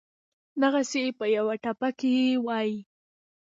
دغسې پۀ يوه ټپه کښې وائي: